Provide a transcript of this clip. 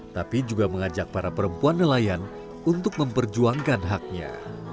tapi juga mengajak para perempuan nelayan untuk memperjuangkan haknya